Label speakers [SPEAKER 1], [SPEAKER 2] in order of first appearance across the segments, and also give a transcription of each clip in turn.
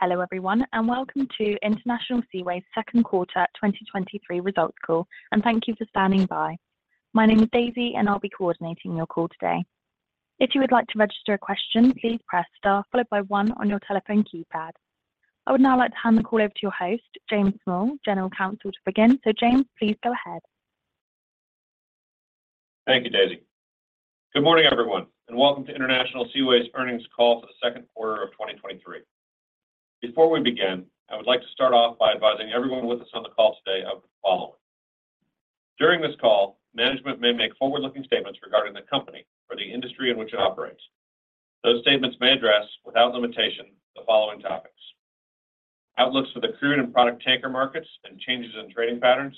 [SPEAKER 1] Hello everyone, and welcome to International Seaways second quarter 2023 Results Call, and thank you for standing by. My name is Daisy and I'll be coordinating your call today. If you would like to register a question, please press Star followed by 1 on your telephone keypad. I would now like to hand the call over to your host, James Small, General Counsel, to begin. James, please go ahead.
[SPEAKER 2] Thank you, Daisy. Good morning, everyone, and welcome to International Seaways Earnings Call for the Second Quarter of 2023. Before we begin, I would like to start off by advising everyone with us on the call today of the following. During this call, management may make forward-looking statements regarding the company or the industry in which it operates. Those statements may address, without limitation, the following topics: outlooks for the crude and product tanker markets and changes in trading patterns,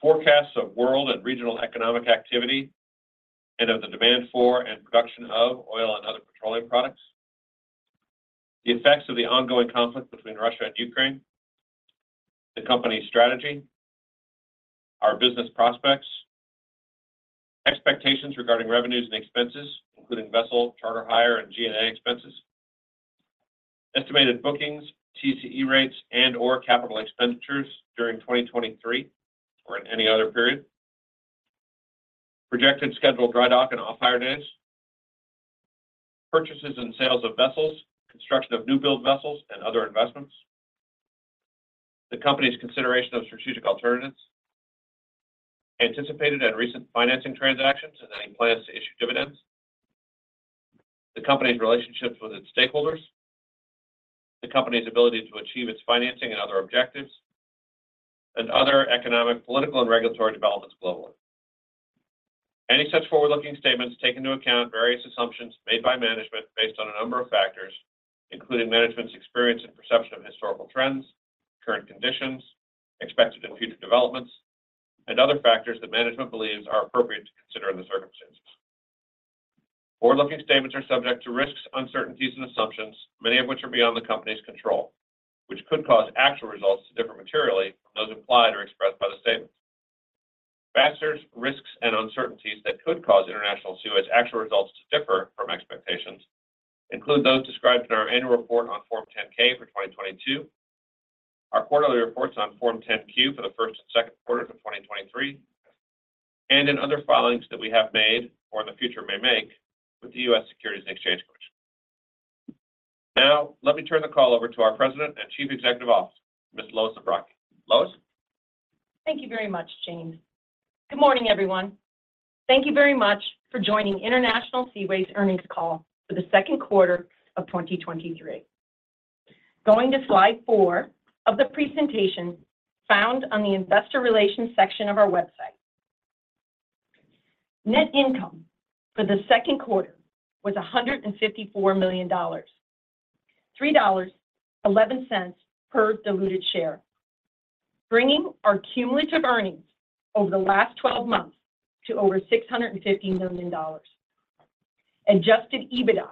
[SPEAKER 2] forecasts of world and regional economic activity, and of the demand for and production of oil and other petroleum products. The effects of the ongoing conflict between Russia and Ukraine, the Company's strategy, our business prospects, expectations regarding revenues and expenses, including vessel, charter hire and G&A expenses, estimated bookings, TCE rates, and/or capital expenditures during 2023 or in any other period, projected scheduled dry dock and off-hire days, purchases and sales of vessels, construction of newbuild vessels and other investments, the Company's consideration of strategic alternatives, anticipated and recent financing transactions, and any plans to issue dividends, the Company's relationships with its stakeholders, the Company's ability to achieve its financing and other objectives, and other economic, political, and regulatory developments globally. Any such forward-looking statements take into account various assumptions made by management based on a number of factors, including management's experience and perception of historical trends, current conditions, expected and future developments, and other factors that management believes are appropriate to consider in the circumstances. Forward-looking statements are subject to risks, uncertainties, and assumptions, many of which are beyond the Company's control, which could cause actual results to differ materially from those implied or expressed by the statements. Factors, risks and uncertainties that could cause International Seaways' actual results to differ from expectations include those described in our annual report on Form 10-K for 2022, our quarterly reports on Form 10-Q for the first and second quarter of 2023, and in other filings that we have made or in the future may make with the U.S. Securities and Exchange Commission. Now, let me turn the call over to our President and Chief Executive Officer, Ms. Lois Zabrocky. Lois?
[SPEAKER 3] Thank you very much, James. Good morning, everyone. Thank you very much for joining International Seaways Earnings Call for the Second Quarter of 2023. Going to slide 4 of the presentation found on the investor relations section of our website. Net income for the second quarter was $154 million, $3.11 per diluted share, bringing our cumulative earnings over the last 12 months to over $650 million. Adjusted EBITDA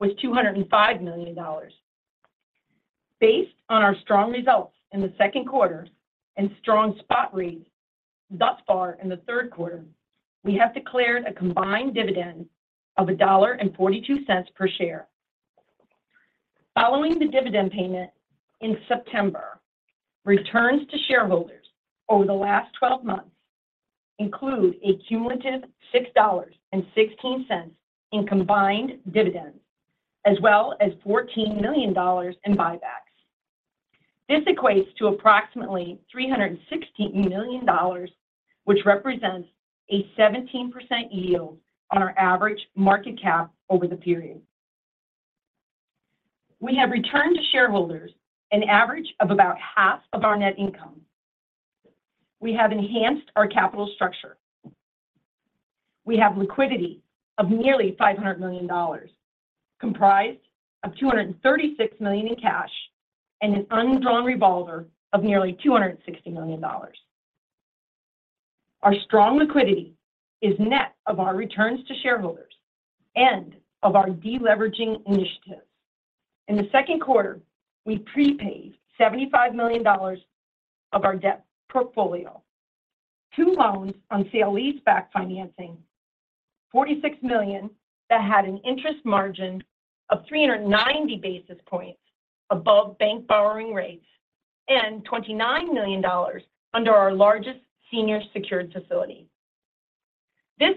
[SPEAKER 3] was $205 million. Based on our strong results in the second quarter and strong spot rates thus far in the third quarter, we have declared a combined dividend of $1.42 per share. Following the dividend payment in September, returns to shareholders over the last 12 months include a cumulative $6.16 in combined dividends, as well as $14 million in buybacks. This equates to approximately $360 million, which represents a 17% yield on our average market cap over the period. We have returned to shareholders an average of about half of our net income. We have enhanced our capital structure. We have liquidity of nearly $500 million, comprised of $236 million in cash and an undrawn revolver of nearly $260 million. Our strong liquidity is net of our returns to shareholders and of our deleveraging initiatives. In the second quarter, we prepaid $75 million of our debt portfolio. Two loans on sale leaseback financing, $46 million that had an interest margin of 390 basis points above bank borrowing rates, and $29 million under our largest senior secured facility. This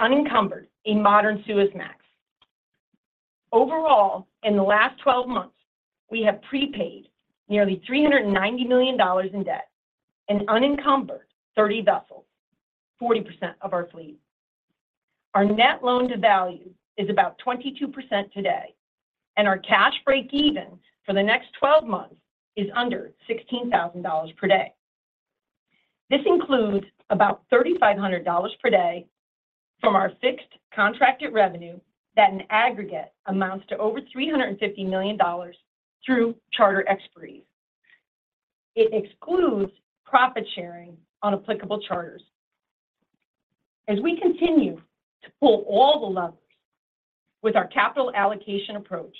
[SPEAKER 3] unencumbered a modern Suezmax. Overall, in the last 12 months, we have prepaid nearly $390 million in debt and unencumbered 30 vessels, 40% of our fleet. Our net loan to value is about 22% today, and our cash breakeven for the next 12 months is under $16,000 per day. This includes about $3,500 per day from our fixed contracted revenue that in aggregate amounts to over $350 million through charter expiries. It excludes profit sharing on applicable charters. As we continue to pull all the levers with our capital allocation approach,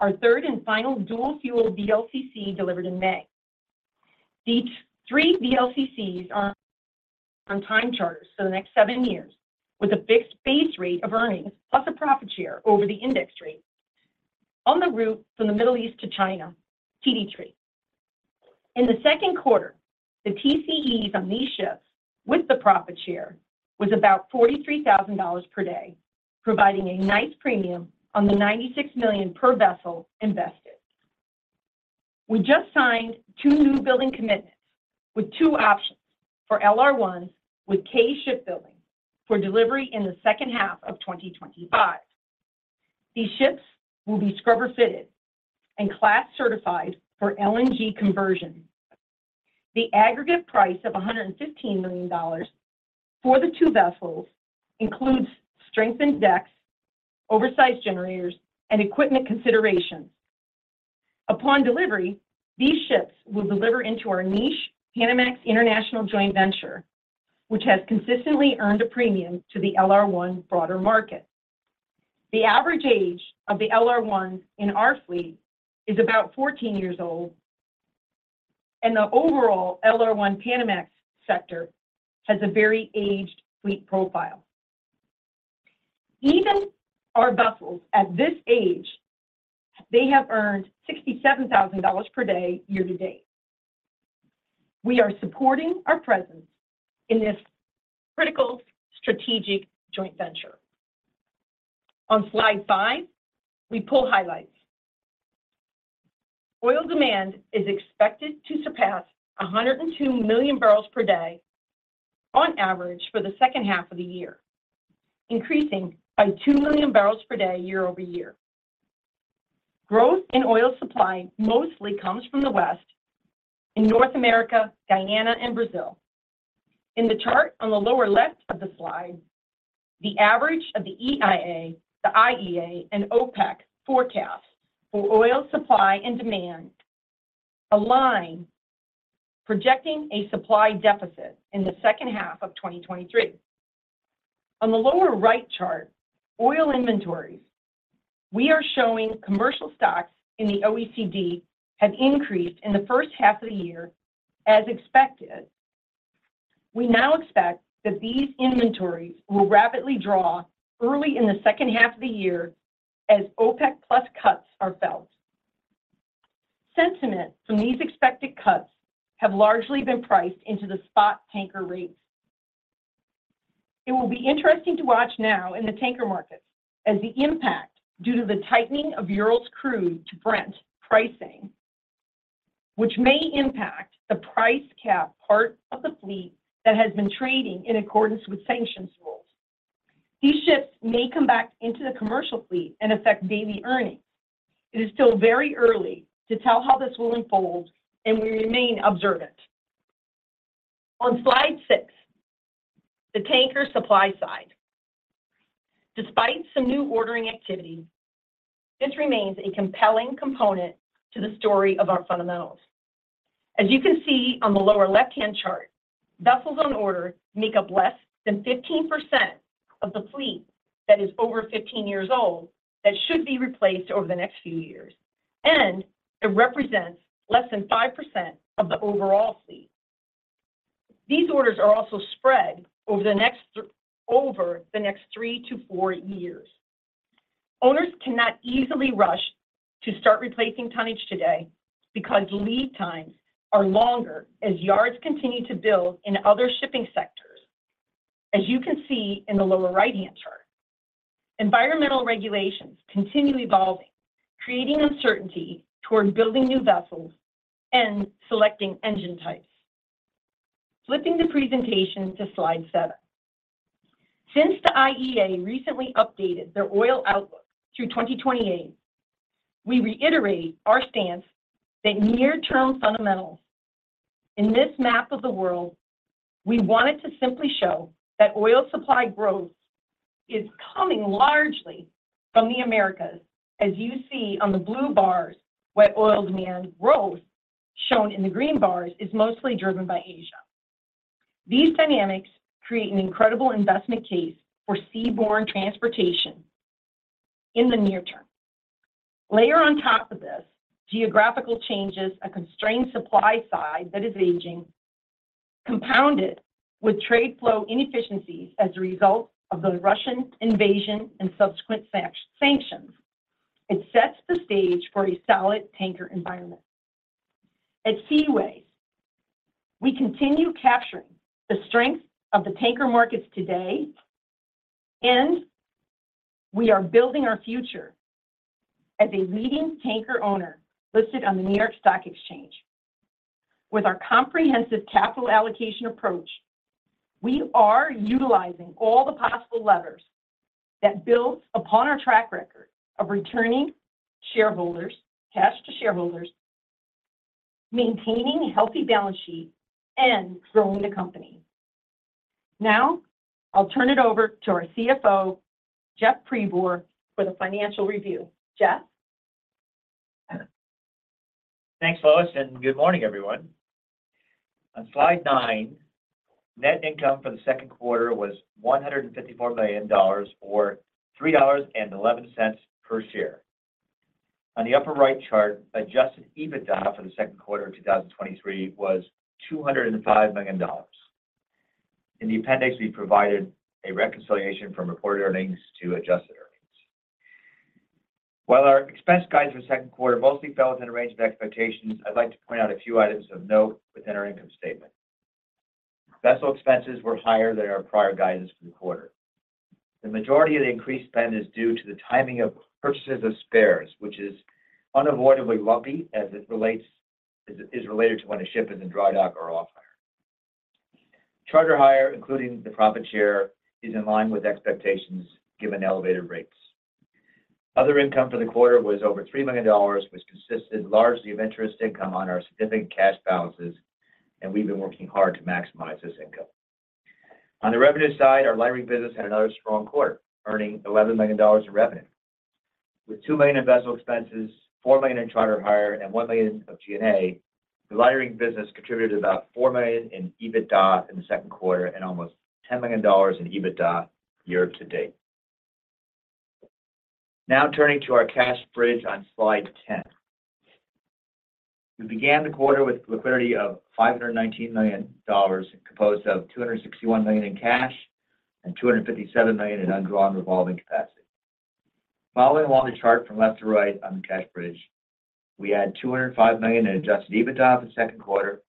[SPEAKER 3] our third and final dual fuel VLCC delivered in May.... These three VLCCs are on time charters for the next seven years, with a fixed base rate of earnings plus a profit share over the index rate on the route from the Middle East to China, TD trade. In the second quarter, the TCEs on these ships with the profit share was about $43,000 per day, providing a nice premium on the $96 million per vessel invested. We just signed two new building commitments with two options for LR1 with K Shipbuilding for delivery in the second half of 2025. These ships will be scrubber-fitted and class-certified for LNG conversion. The aggregate price of $115 million for the two vessels includes strengthened decks, oversized generators, and equipment considerations. Upon delivery, these ships will deliver into our niche, Panamax International Joint Venture, which has consistently earned a premium to the LR1 broader market. The average age of the LR1 in our fleet is about 14 years old. The overall LR1 Panamax sector has a very aged fleet profile. Even our vessels at this age, they have earned $67,000 per day, year to date. We are supporting our presence in this critical strategic joint venture. On slide 5, we pull highlights. Oil demand is expected to surpass 102 million barrels per day on average for the second half of the year, increasing by 2 million barrels per day, year-over-year. Growth in oil supply mostly comes from the West, in North America, Guyana, and Brazil. In the chart on the lower left of the slide, the average of the EIA, the IEA, and OPEC forecasts for oil supply and demand align, projecting a supply deficit in the second half of 2023. On the lower right chart, oil inventories, we are showing commercial stocks in the OECD have increased in the first half of the year as expected. We now expect that these inventories will rapidly draw early in the second half of the year as OPEC Plus cuts are felt. Sentiment from these expected cuts have largely been priced into the spot tanker rates. It will be interesting to watch now in the tanker markets as the impact due to the tightening of Urals crude to Brent pricing, which may impact the price cap, part of the fleet that has been trading in accordance with sanctions rules. These ships may come back into the commercial fleet and affect daily earnings. It is still very early to tell how this will unfold, and we remain observant. On slide 6, the tanker supply side. Despite some new ordering activity, this remains a compelling component to the story of our fundamentals. As you can see on the lower left-hand chart, vessels on order make up less than 15% of the fleet that is over 15 years old, that should be replaced over the next few years, and it represents less than 5% of the overall fleet. These orders are also spread over the next 3-4 years. Owners cannot easily rush to start replacing tonnage today because lead times are longer as yards continue to build in other shipping sectors. As you can see in the lower right-hand chart, environmental regulations continue evolving, creating uncertainty toward building new vessels and selecting engine types. Flipping the presentation to slide 7. Since the IEA recently updated their oil outlook through 2028, we reiterate our stance that near-term fundamentals in this map of the world, we wanted to simply show that oil supply growth is coming largely from the Americas, as you see on the blue bars, where oil demand growth, shown in the green bars, is mostly driven by Asia. These dynamics create an incredible investment case for seaborne transportation in the near term. Layer on top of this, geographical changes, a constrained supply side that is aging, compounded with trade flow inefficiencies as a result of the Russian invasion and subsequent sanctions. It sets the stage for a solid tanker environment. At Seaways, we continue capturing the strength of the tanker markets today, and we are building our future as a leading tanker owner listed on the New York Stock Exchange. With our comprehensive capital allocation approach, we are utilizing all the possible levers that builds upon our track record of returning shareholders, cash to shareholders, maintaining a healthy balance sheet, and growing the company. Now, I'll turn it over to our CFO, Jeff Pribor, for the financial review. Jeff?
[SPEAKER 4] Thanks, Lois, good morning, everyone. On slide 9, net income for the second quarter was $154 million or $3.11 per share. On the upper right chart, adjusted EBITDA for the second quarter of 2023 was $205 million. In the appendix, we provided a reconciliation from reported earnings to adjusted earnings. While our expense guides for the second quarter mostly fell within a range of expectations, I'd like to point out a few items of note within our income statement. Vessel expenses were higher than our prior guidance for the quarter. The majority of the increased spend is due to the timing of purchases of spares, which is unavoidably lumpy as it relates to when a ship is in dry dock or off hire. Charter hire, including the profit share, is in line with expectations given elevated rates. Other income for the quarter was over $3 million, which consisted largely of interest income on our significant cash balances. We've been working hard to maximize this income. On the revenue side, our lightering business had another strong quarter, earning $11 million in revenue. With $2 million in vessel expenses, $4 million in charter hire, and $1 million of G&A, the lightering business contributed about $4 million in EBITDA in the second quarter and almost $10 million in EBITDA year to date. Turning to our cash bridge on slide 10. We began the quarter with liquidity of $519 million, composed of $261 million in cash and $257 million in undrawn revolving capacity. Following along the chart from left to right on the cash bridge, we add $205 million in Adjusted EBITDA for the second quarter,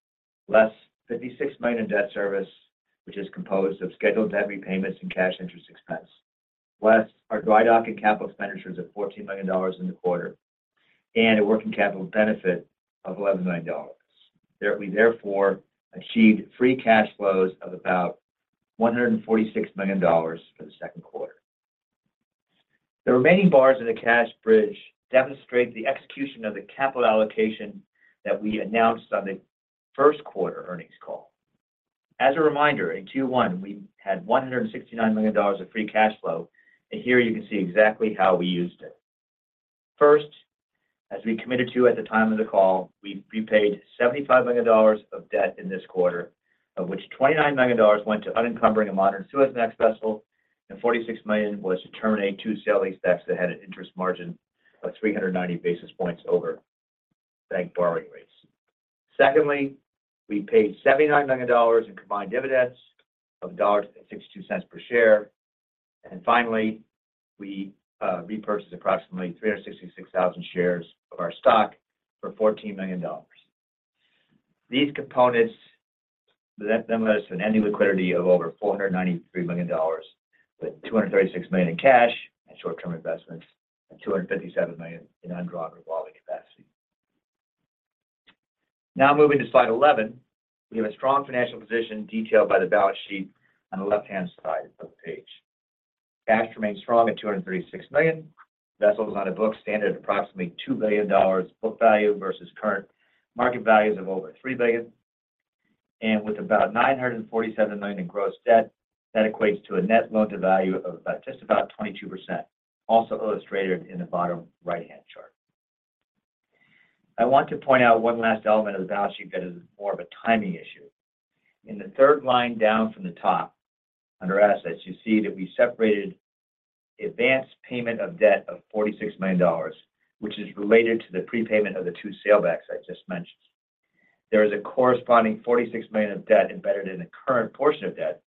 [SPEAKER 4] less $56 million in debt service, which is composed of scheduled debt repayments and cash interest expense, less our dry dock and capital expenditures of $14 million in the quarter, and a working capital benefit of $11 million. We therefore achieved free cash flows of about $146 million for the second quarter. The remaining bars in the cash bridge demonstrate the execution of the capital allocation that we announced on the first quarter earnings call. As a reminder, in Q1, we had $169 million of free cash flow, here you can see exactly how we used it. First, as we committed to at the time of the call, we repaid $75 million of debt in this quarter, of which $29 million went to unencumbering a modern Suezmax vessel, and $46 million was to terminate two sale leasebacks that had an interest margin of 390 basis points over bank borrowing rates. Secondly, we paid $79 million in combined dividends of $1.62 per share. Finally, we repurchased approximately 366,000 shares of our stock for $14 million. These components left us with ending liquidity of over $493 million, with $236 million in cash and short-term investments, and $257 million in undrawn revolving capacity. Now, moving to slide 11. We have a strong financial position detailed by the balance sheet on the left-hand side of the page. Cash remains strong at $236 million. Vessels on the books stand at approximately $2 billion book value versus current market values of over $3 billion, and with about $947 million in gross debt, that equates to a net loan to value of about, just about 22%, also illustrated in the bottom right-hand chart. I want to point out one last element of the balance sheet that is more of a timing issue. In the third line down from the top, under assets, you see that we separated advanced payment of debt of $46 million, which is related to the prepayment of the two salebacks I just mentioned. There is a corresponding $46 million of debt embedded in the current portion of debt.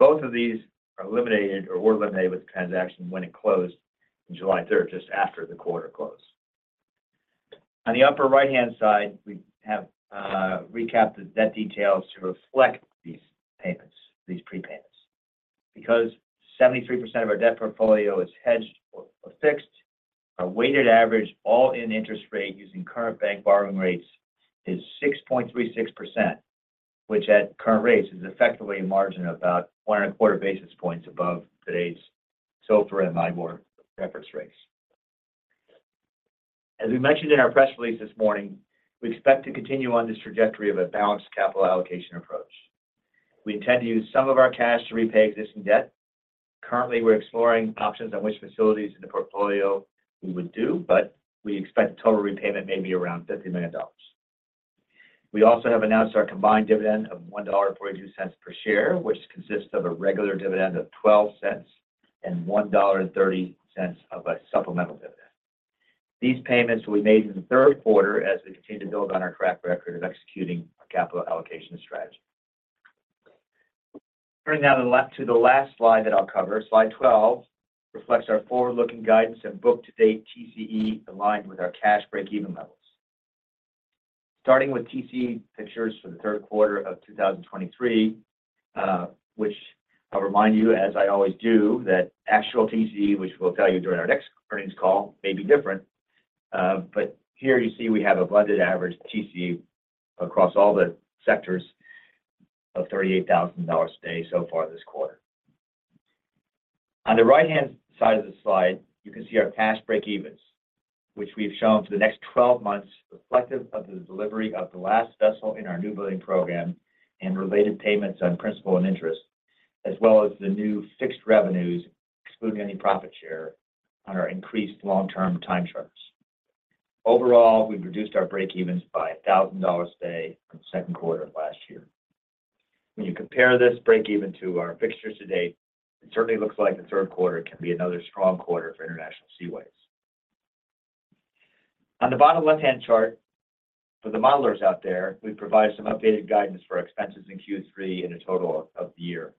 [SPEAKER 4] Both of these are eliminated or were eliminated with the transaction when it closed on July 3, just after the quarter closed. On the upper right-hand side, we have recapped the debt details to reflect these payments, these prepayments. Because 73% of our debt portfolio is hedged or fixed, our weighted average all-in interest rate using current bank borrowing rates is 6.36%, which at current rates is effectively a margin of about 1.25 basis points above today's SOFR and LIBOR reference rates. As we mentioned in our press release this morning, we expect to continue on this trajectory of a balanced capital allocation approach. We intend to use some of our cash to repay existing debt. Currently, we're exploring options on which facilities in the portfolio we would do, but we expect total repayment maybe around $50 million. We also have announced our combined dividend of $1.42 per share, which consists of a regular dividend of $0.12 and $1.30 of a supplemental dividend. These payments will be made in the third quarter as we continue to build on our track record of executing our capital allocation strategy. Turning now to the last, to the last slide that I'll cover. Slide 12 reflects our forward-looking guidance and book-to-date TCE aligned with our cash breakeven levels. Starting with TCE pictures for the third quarter of 2023, which I'll remind you, as I always do, that actual TCE, which we'll tell you during our next earnings call, may be different. Here you see we have a blended average TCE across all the sectors of $38,000 a day so far this quarter. On the right-hand side of the slide, you can see our cash breakevens, which we've shown for the next 12 months, reflective of the delivery of the last vessel in our new building program and related payments on principal and interest, as well as the new fixed revenues, excluding any profit share on our increased long-term time charters. Overall, we've reduced our breakevens by $1,000 a day from the second quarter of last year. When you compare this breakeven to our fixtures to date, it certainly looks like the third quarter can be another strong quarter for International Seaways. On the bottom left-hand chart, for the modelers out there, we provide some updated guidance for expenses in Q3 and a total of the year.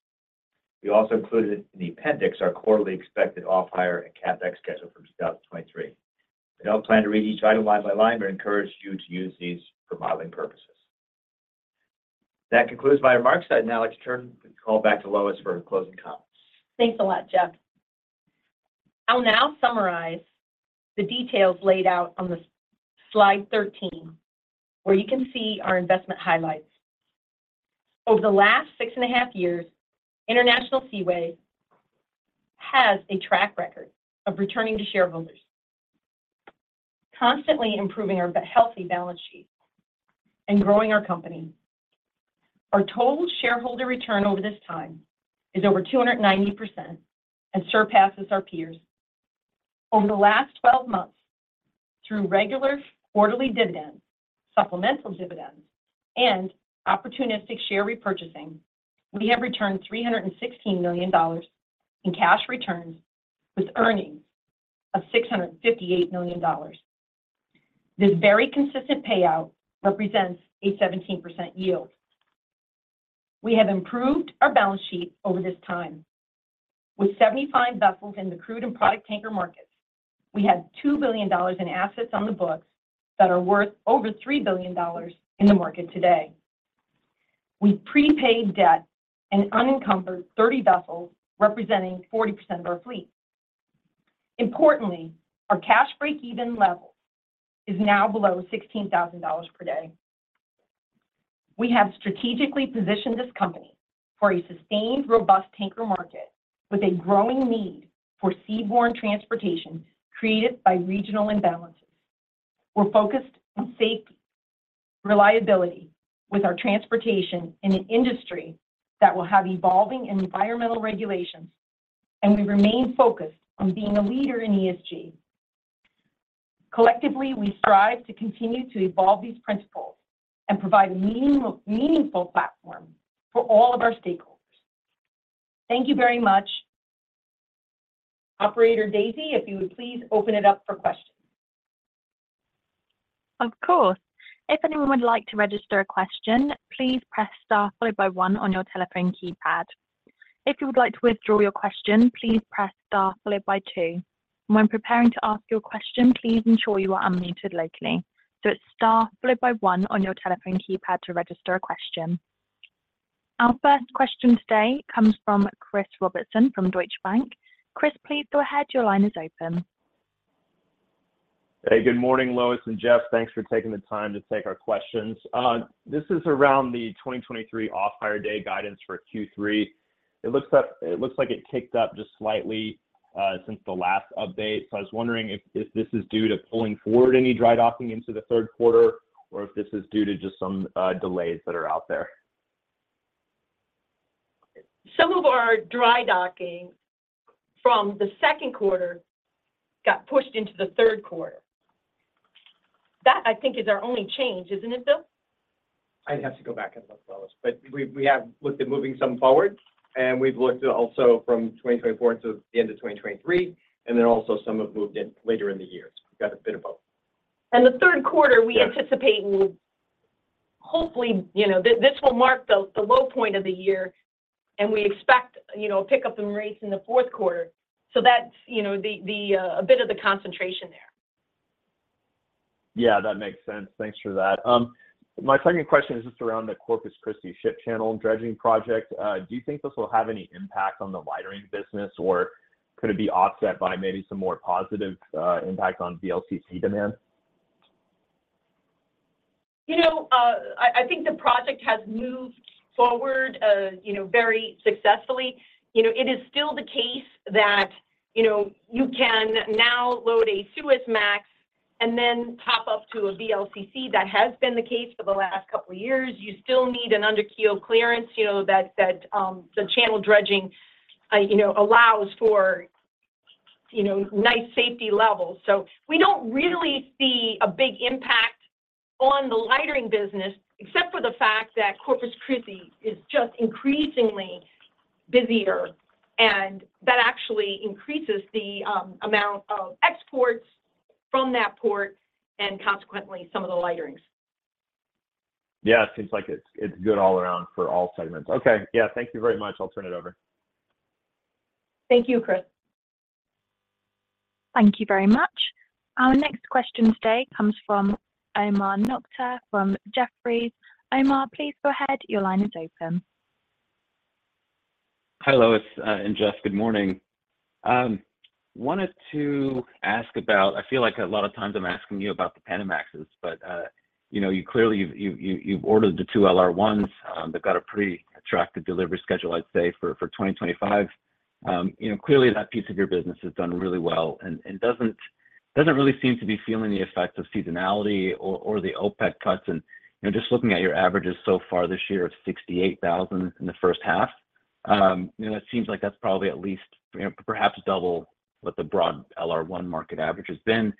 [SPEAKER 4] We also included in the appendix, our quarterly expected off-hire and CapEx schedule for 2023. I don't plan to read each item line by line, but encourage you to use these for modeling purposes. That concludes my remarks. I'd now like to turn the call back to Lois for closing comments.
[SPEAKER 3] Thanks a lot, Jeff. I'll now summarize the details laid out on the slide 13, where you can see our investment highlights. Over the last six and a half years, International Seaways has a track record of returning to shareholders, constantly improving our healthy balance sheet and growing our company. Our total shareholder return over this time is over 290% and surpasses our peers. Over the last 12 months through regular quarterly dividends, supplemental dividends, and opportunistic share repurchasing, we have returned $316 million in cash returns, with earnings of $658 million. This very consistent payout represents a 17% yield. We have improved our balance sheet over this time. With 75 vessels in the crude and product tanker markets, we have $2 billion in assets on the books that are worth over $3 billion in the market today. We prepaid debt and unencumbered 30 vessels, representing 40% of our fleet. Importantly, our cash breakeven level is now below $16,000 per day. We have strategically positioned this company for a sustained, robust tanker market with a growing need for seaborne transportation created by regional imbalances. We're focused on safety, reliability with our transportation in an industry that will have evolving environmental regulations, and we remain focused on being a leader in ESG. Collectively, we strive to continue to evolve these principles and provide a meaningful platform for all of our stakeholders. Thank you very much. Operator Daisy, if you would please open it up for questions.
[SPEAKER 1] Of course. If anyone would like to register a question, please press star followed by one on your telephone keypad. If you would like to withdraw your question, please press star followed by two. When preparing to ask your question, please ensure you are unmuted locally. It's star followed by one on your telephone keypad to register a question. Our first question today comes from Chris Robertson from Deutsche Bank. Chris, please go ahead. Your line is open.
[SPEAKER 5] Hey, good morning, Lois and Jeff. Thanks for taking the time to take our questions. This is around the 2023 off-hire day guidance for Q3. It looks like it ticked up just slightly since the last update. I was wondering if this is due to pulling forward any dry docking into the third quarter, or if this is due to just some delays that are out there?
[SPEAKER 3] Some of our dry docking from the second quarter got pushed into the third quarter. That, I think, is our only change, isn't it, Will?
[SPEAKER 4] I'd have to go back and look, Lois, but we, we have looked at moving some forward, and we've looked also from 2024 to the end of 2023, and then also some have moved in later in the year. We've got a bit of both.
[SPEAKER 3] The third quarter we anticipate will hopefully, you know, this, this will mark the, the low point of the year, and we expect, you know, a pickup in rates in the fourth quarter. That's, you know, the, the, a bit of the concentration there.
[SPEAKER 5] Yeah, that makes sense. Thanks for that. My second question is just around the Corpus Christi ship channel dredging project. Do you think this will have any impact on the lightering business, or could it be offset by maybe some more positive impact on VLCC demand?
[SPEAKER 3] You know, I, I think the project has moved forward, you know, very successfully. You know, it is still the case that, you know, you can now load a Suezmax and then top up to a VLCC. That has been the case for the last couple of years. You still need an under-keel clearance, you know, that, that the channel dredging, you know, allows for, you know, nice safety levels. We don't really see a big impact on the lightering business, except for the fact that Corpus Christi is just increasingly busier, and that actually increases the amount of exports from that port and consequently, some of the lighterings.
[SPEAKER 5] Yeah, it seems like it's, it's good all around for all segments. Okay. Yeah. Thank you very much. I'll turn it over.
[SPEAKER 3] Thank you, Chris.
[SPEAKER 1] Thank you very much. Our next question today comes from Omar Nokta from Jefferies. Omar, please go ahead. Your line is open.
[SPEAKER 6] Hi, Lois and Jeff. Good morning. I feel like a lot of times I'm asking you about the Panamaxes, but, you know, you clearly, you've ordered the two LR1s that got a pretty attractive delivery schedule, I'd say, for 2025. You know, clearly, that piece of your business has done really well and doesn't really seem to be feeling the effects of seasonality or the OPEC cuts. You know, just looking at your averages so far this year of $68,000 in the first half-... you know, that seems like that's probably at least, perhaps double what the broad LR1 market average has been.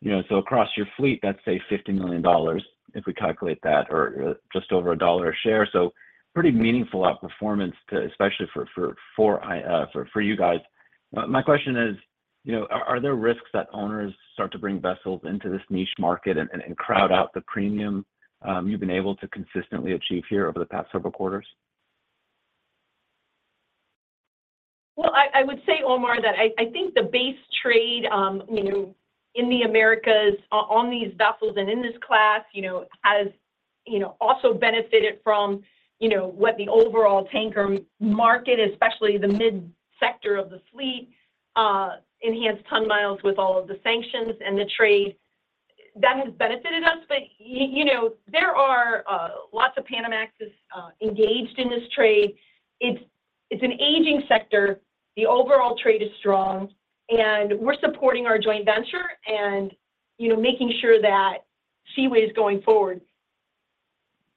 [SPEAKER 6] You know, across your fleet, that's, say, $50 million if we calculate that, or just over $1 a share. Pretty meaningful outperformance to, especially for, for, for, for, for you guys. My question is, you know, are, are there risks that owners start to bring vessels into this niche market and, and, and crowd out the premium, you've been able to consistently achieve here over the past several quarters?
[SPEAKER 3] I, I would say, Omar, that I, I think the base trade, you know, in the Americas on, on these vessels and in this class, you know, has, you know, also benefited from, you know, what the overall tanker market, especially the mid-sector of the fleet, enhanced ton miles with all of the sanctions and the trade. That has benefited us, but, you, you know, there are lots of Panamaxes engaged in this trade. It's, it's an aging sector. The overall trade is strong, and we're supporting our joint venture and, you know, making sure that Seaway is going forward.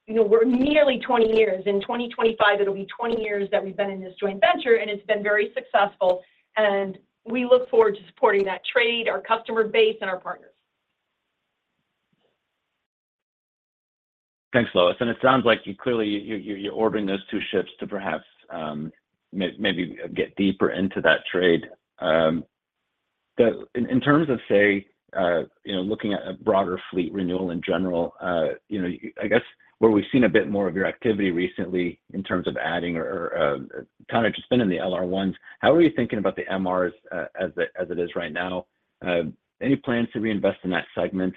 [SPEAKER 3] You know, we're nearly 20 years. In 2025, it'll be 20 years that we've been in this joint venture, and it's been very successful, and we look forward to supporting that trade, our customer base, and our partners.
[SPEAKER 6] Thanks, Lois. It sounds like you clearly, you, you, you're ordering those two ships to perhaps get deeper into that trade. In terms of, you know, looking at a broader fleet renewal in general, you know, I guess where we've seen a bit more of your activity recently in terms of adding or, or, kind of just been in the LR1s, how are you thinking about the MRs, as it, as it is right now? Any plans to reinvest in that segment?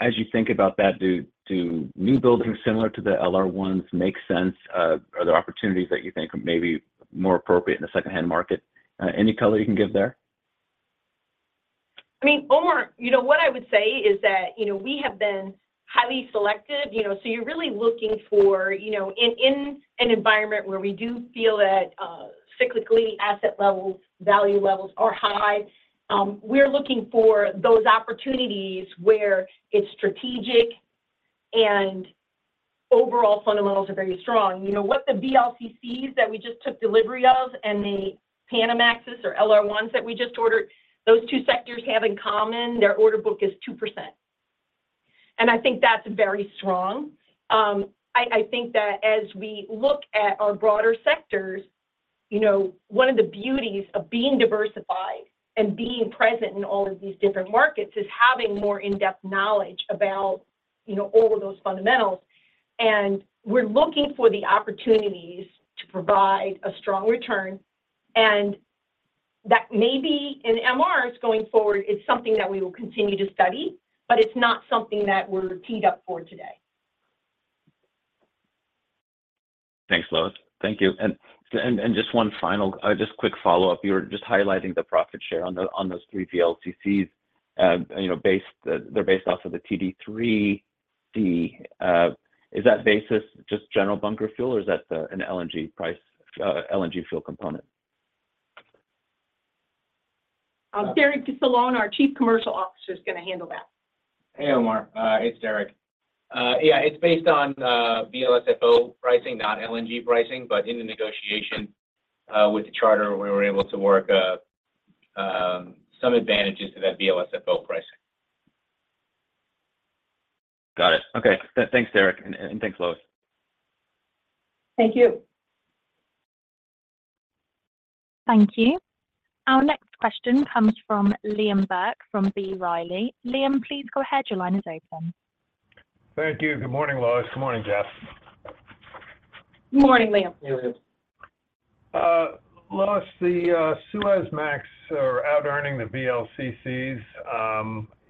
[SPEAKER 6] As you think about that, do, do new buildings similar to the LR1s make sense? Are there opportunities that you think are maybe more appropriate in the secondhand market? Any color you can give there?
[SPEAKER 3] I mean, Omar, you know, what I would say is that, you know, we have been highly selective, you know, so you're really looking for, you know, in, in an environment where we do feel that cyclically asset levels, value levels are high, we're looking for those opportunities where it's strategic and overall fundamentals are very strong. You know, what the VLCCs that we just took delivery of, and the Panamaxes or LR1s that we just ordered, those two sectors have in common, their order book is 2%, and I think that's very strong. I, I think that as we look at our broader sectors, you know, one of the beauties of being diversified and being present in all of these different markets is having more in-depth knowledge about, you know, all of those fundamentals. We're looking for the opportunities to provide a strong return, and that maybe in MRs going forward, is something that we will continue to study, but it's not something that we're teed up for today.
[SPEAKER 6] Thanks, Lois. Thank you. Just one final, just quick follow-up. You were just highlighting the profit share on the, on those 3 VLCCs. You know, based, they're based off of the TD3D. Is that basis just general bunker fuel, or is that, an LNG price, LNG fuel component?
[SPEAKER 3] Derek Solon, our Chief Commercial Officer, is going to handle that.
[SPEAKER 7] Hey, Omar. It's Derek. Yeah, it's based on VLSFO pricing, not LNG pricing, but in the negotiation with the charter, we were able to work some advantages to that VLSFO pricing.
[SPEAKER 6] Got it. Okay. Thanks, Derek, and thanks, Lois.
[SPEAKER 3] Thank you.
[SPEAKER 1] Thank you. Our next question comes from Liam Burke, from B. Riley. Liam, please go ahead. Your line is open.
[SPEAKER 8] Thank you. Good morning, Lois. Good morning, Jeff.
[SPEAKER 3] Good morning, Liam.
[SPEAKER 7] Hey, Liam.
[SPEAKER 8] Lois, the Suezmax are out earning the VLCCs.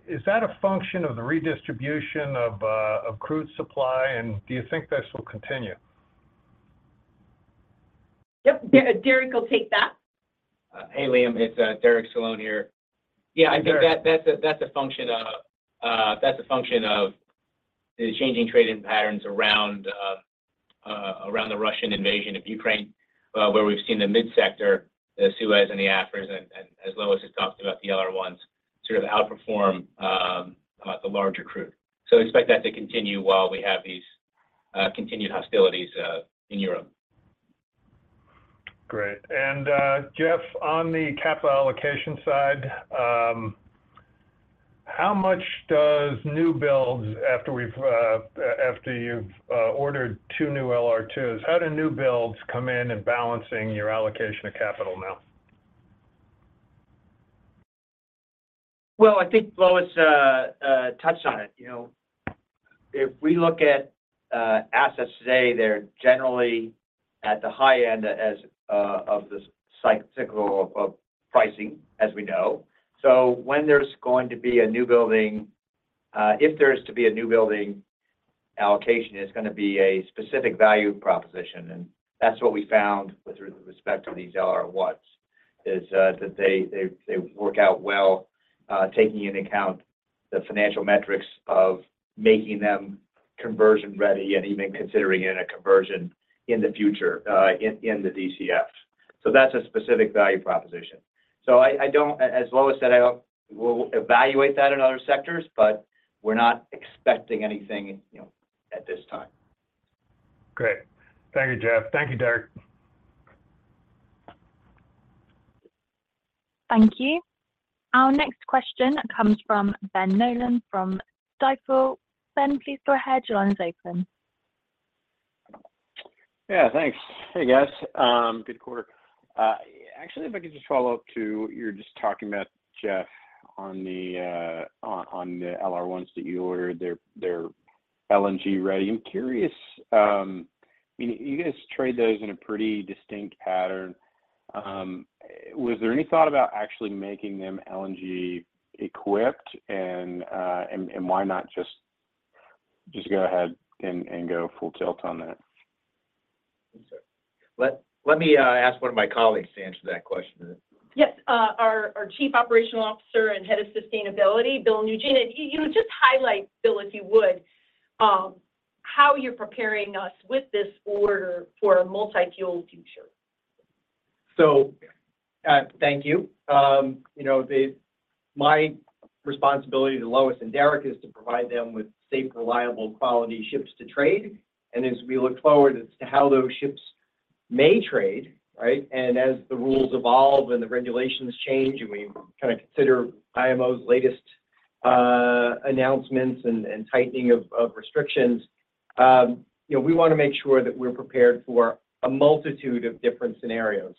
[SPEAKER 8] Is that a function of the redistribution of crude supply, and do you think this will continue?
[SPEAKER 3] Yep. Derek will take that.
[SPEAKER 7] Hey, Liam, it's Derek Solon here. Yeah, I think that-
[SPEAKER 8] Sure...
[SPEAKER 7] that's a, that's a function of, that's a function of the changing trading patterns around, around the Russian invasion of Ukraine, where we've seen the mid-sector, the Suez and the Aframaxes, and, and as Lois has talked about, the LR1s sort of outperform, the larger crude. We expect that to continue while we have these, continued hostilities, in Europe.
[SPEAKER 8] Great. Jeff, on the capital allocation side, how much does new builds after we've after you've ordered two new LR2s, how do new builds come in in balancing your allocation of capital now?
[SPEAKER 4] Well, I think Lois touched on it. You know, if we look at assets today, they're generally at the high end as of the cycle of pricing, as we know. When there's going to be a new building, if there is to be a new building, allocation is going to be a specific value proposition, and that's what we found with respect to these LR1s, is that they, they, they work out well, taking into account the financial metrics of making them conversion-ready and even considering in a conversion in the future, in, in the DCF. That's a specific value proposition. I, I don't, as Lois said, I don't, we'll evaluate that in other sectors, but we're not expecting anything, you know, at this time.
[SPEAKER 2] Great. Thank you, Jeff. Thank you, Derek.
[SPEAKER 1] Thank you. Our next question comes from Ben Nolan from Stifel. Ben, please go ahead. Your line is open.
[SPEAKER 9] Yeah, thanks. Hey, guys, good quarter. Actually, if I could just follow up to what you were just talking about, Jeff, on the, on, on the LR1s that you ordered, they're, they're LNG-ready. I'm curious, I mean, you guys trade those in a pretty distinct pattern. Was there any thought about actually making them LNG-equipped? And, and why not just, just go ahead and, and go full tilt on that?
[SPEAKER 7] Let me ask one of my colleagues to answer that question.
[SPEAKER 3] Yes, our Chief Operational Officer and Head of Sustainability, William Nugent. You, you just highlight, Will, if you would, how you're preparing us with this order for a multi-fuel future.
[SPEAKER 10] Thank you. You know, my responsibility to Lois and Derek is to provide them with safe, reliable, quality ships to trade. As we look forward as to how those ships may trade, right? As the rules evolve, and the regulations change, and we kind of consider IMO's latest announcements and tightening of restrictions, you know, we want to make sure that we're prepared for a multitude of different scenarios.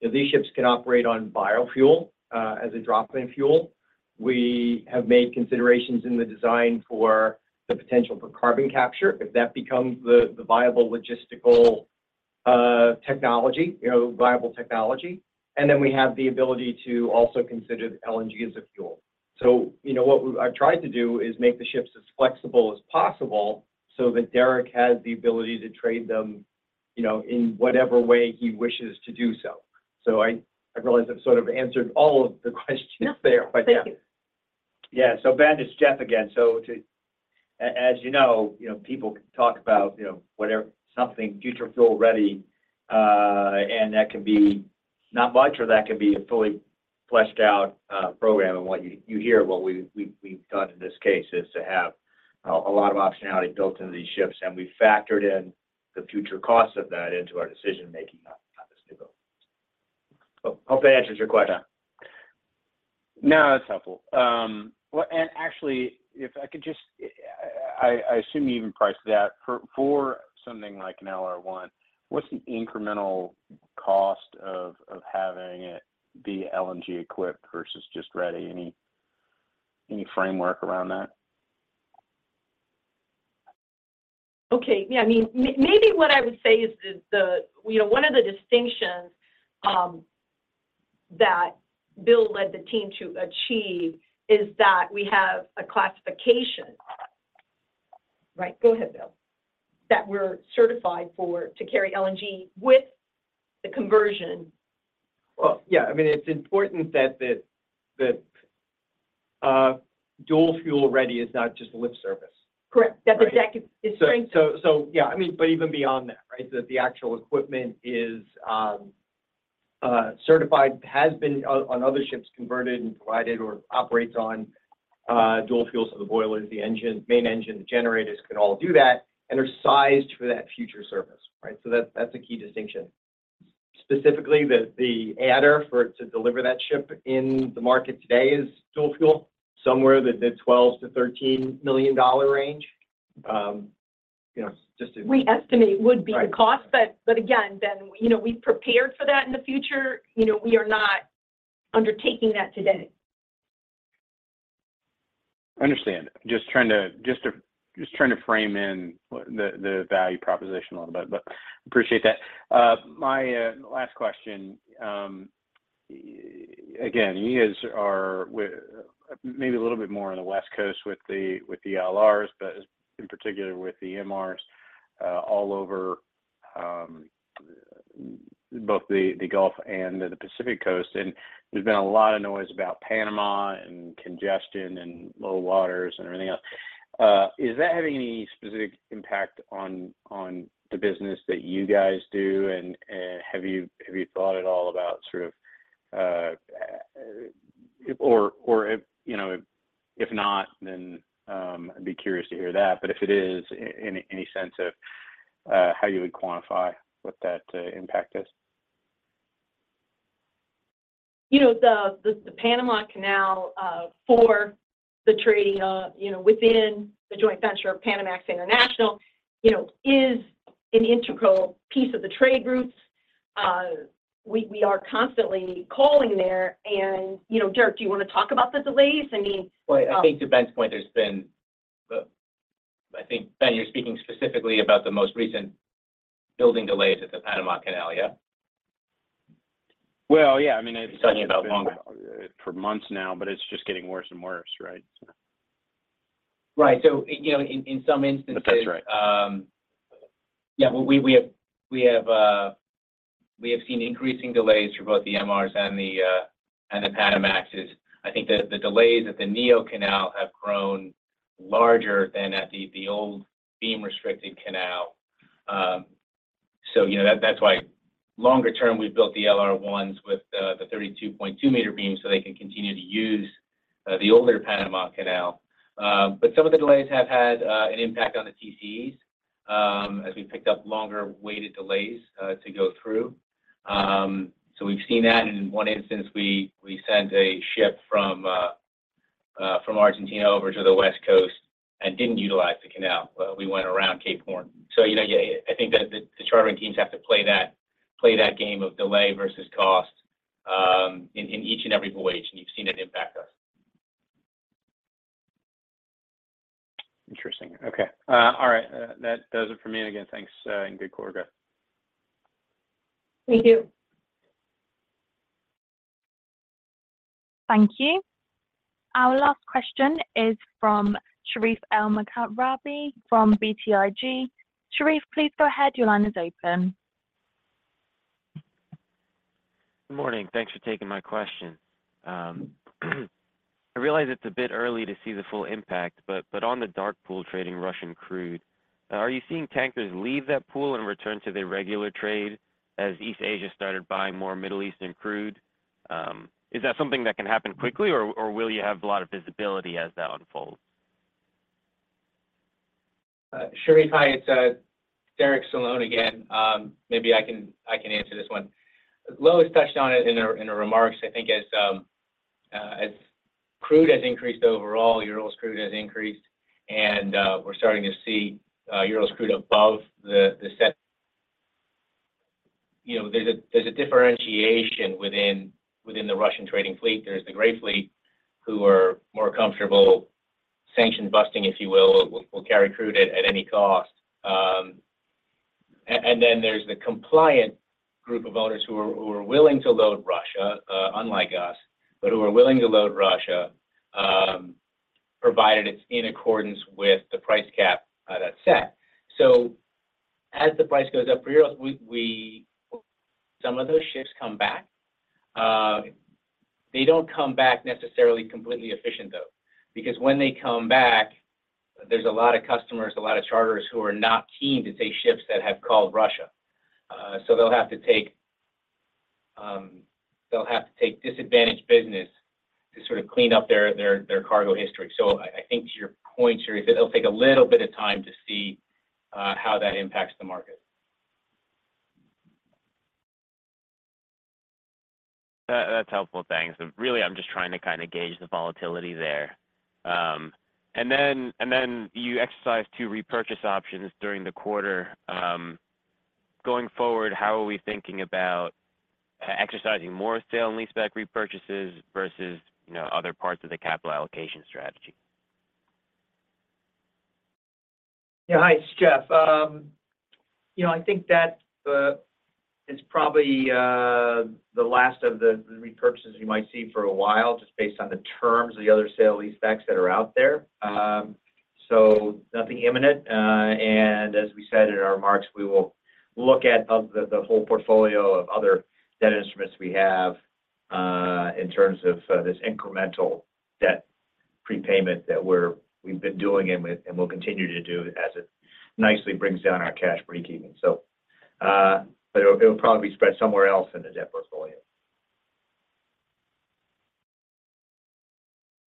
[SPEAKER 10] If these ships can operate on biofuel, as a drop-in fuel, we have made considerations in the design for the potential for carbon capture, if that becomes the viable logistical technology, you know, viable technology. Then we have the ability to also consider LNG as a fuel. you know, what I've tried to do is make the ships as flexible as possible so that Derek has the ability to trade them, you know, in whatever way he wishes to do so. I, I realize I've sort of answered all of the questions there, but yeah.
[SPEAKER 3] Thank you.
[SPEAKER 4] Yeah. Ben, it's Jeff again. To- As you know, you know, people talk about, you know, whatever, something future fuel-ready, and that can be not much, or that could be a fully fleshed out program. What you hear, what we've done in this case is to have a lot of optionality built into these ships, and we factored in the future costs of that into our decision-making on this new build. Hope that answers your question.
[SPEAKER 9] Yeah. No, that's helpful. Well, and actually, if I could just, I, I assume you even priced that. For, for something like an LR1, what's the incremental cost of, of having it be LNG-equipped versus just ready? Any, any framework around that?
[SPEAKER 3] Okay. Yeah, I mean, maybe what I would say is the, the, you know, one of the distinctions that Will led the team to achieve is that we have a classification. Right. Go ahead, Will. That we're certified for, to carry LNG with the conversion.
[SPEAKER 10] Well, yeah, I mean, it's important that the, that, dual-fuel ready is not just lip service.
[SPEAKER 3] Correct. That's exactly- it's strength-
[SPEAKER 10] Yeah, I mean, but even beyond that, right? That the actual equipment is certified, has been on, on other ships, converted and provided or operates on dual fuel. The boilers, the engine, main engine, the generators can all do that, and they're sized for that future service, right? That, that's a key distinction. Specifically, the, the adder for it to deliver that ship in the market today is dual fuel, somewhere in the $12 million-$13 million range. You know, just to-
[SPEAKER 3] We estimate would be
[SPEAKER 10] Right...
[SPEAKER 3] the cost, but again, Ben, you know, we've prepared for that in the future. You know, we are not undertaking that today.
[SPEAKER 9] Understand. Just trying to frame in the value proposition a little bit, but appreciate that. My last question. Again, you guys are maybe a little bit more on the West Coast with the LRs, but in particular with the MRs, all over, both the Gulf and the Pacific Coast. There's been a lot of noise about Panama and congestion and low waters and everything else. Is that having any specific impact on the business that you guys do? Have you thought at all about sort of... Or if, you know, if not, then, I'd be curious to hear that. If it is, any sense of how you would quantify what that impact is?
[SPEAKER 3] You know, the, the, the Panama Canal, for the trade, you know, within the joint venture of Panamaxes International, you know, is an integral piece of the trade routes. We, we are constantly calling there. You know, Derek, do you want to talk about the delays? I mean,
[SPEAKER 7] Well, I think to Ben's point, there's been, I think, Ben, you're speaking specifically about the most recent building delays at the Panama Canal, yeah?
[SPEAKER 9] Well, yeah, I mean, it's.
[SPEAKER 7] Talking about longer...
[SPEAKER 9] for months now, but it's just getting worse and worse, right?
[SPEAKER 7] Right. You know, in some instances.
[SPEAKER 9] That's right.
[SPEAKER 7] Yeah, we have seen increasing delays for both the MRs and the Panamaxes. I think the, the delays at the Neo-Panamax locks have grown larger than at the, the old beam-restricted canal. You know, that, that's why longer term, we've built the LR1s with the 32.2 meter beam so they can continue to use the older Panama Canal. Some of the delays have had an impact on the TCEs as we picked up longer-weighted delays to go through. We've seen that. In one instance, we, we sent a ship from Argentina over to the West Coast and didn't utilize the canal. We went around Cape Horn. You know, yeah, I think that the, the chartering teams have to play that, play that game of delay versus cost, in, in each and every voyage, and you've seen it impact us.
[SPEAKER 9] Interesting. Okay. All right, that does it for me. Again, thanks, and good quarter, guys.
[SPEAKER 3] Thank you.
[SPEAKER 1] Thank you. Our last question is from Sherif Elmaghrabi from BTIG. Sherif, please go ahead. Your line is open.
[SPEAKER 11] Good morning. Thanks for taking my question. I realize it's a bit early to see the full impact, but on the dark pool trading Russian crude, are you seeing tankers leave that pool and return to their regular trade as East Asia started buying more Middle Eastern crude? Is that something that can happen quickly or will you have a lot of visibility as that unfolds?
[SPEAKER 7] Sherif, hi, it's Derek Solon again. Maybe I can, I can answer this one. Lois touched on it in her, in her remarks. I think as, as crude has increased overall, Urals crude has increased, we're starting to see Urals crude above the, the set. You know, there's a, there's a differentiation within, within the Russian trading fleet. There's the gray fleet who are more comfortable, sanction busting, if you will, will, will carry crude at, at any cost. Then there's the compliant group of owners who are, who are willing to load Russia, unlike us, but who are willing to load Russia, provided it's in accordance with the price cap, that's set. As the price goes up for Urals, we, we some of those ships come back. They don't come back necessarily completely efficient though, because when they come back, there's a lot of customers, a lot of charters who are not keen to take ships that have called Russia. They'll have to take disadvantaged business to sort of clean up their, their, their cargo history. I, I think to your point, Sherif, it'll take a little bit of time to see how that impacts the market.
[SPEAKER 11] That, that's helpful. Thanks. Really, I'm just trying to kind of gauge the volatility there. And then, and then you exercised 2 repurchase options during the quarter. Going forward, how are we thinking about exercising more sale and leaseback repurchases versus, you know, other parts of the capital allocation strategy?
[SPEAKER 7] Yeah. Hi, it's Jeff. you know, I think that is probably the last of the, the repurchases you might see for a while, just based on the terms of the other sale-leasebacks that are out there. Nothing imminent. As we said in our remarks, we will look at of the, the whole portfolio of other debt instruments we have, in terms of, this incremental debt prepayment that we've been doing and we, and we'll continue to do as it nicely brings down our cash breakeven. It, it'll probably be spread somewhere else in the debt portfolio.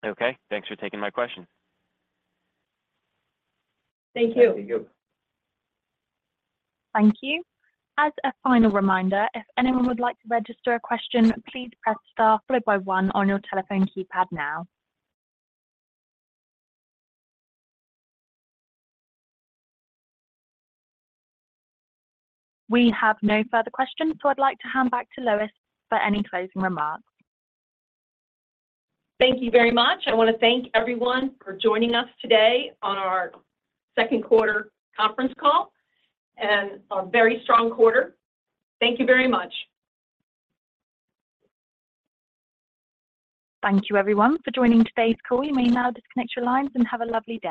[SPEAKER 11] Okay. Thanks for taking my question.
[SPEAKER 3] Thank you.
[SPEAKER 7] Thank you.
[SPEAKER 1] Thank you. As a final reminder, if anyone would like to register a question, please press star followed by one on your telephone keypad now. We have no further questions, I'd like to hand back to Lois for any closing remarks.
[SPEAKER 3] Thank you very much. I want to thank everyone for joining us today on our second quarter conference call and a very strong quarter. Thank you very much.
[SPEAKER 1] Thank you, everyone, for joining today's call. You may now disconnect your lines and have a lovely day.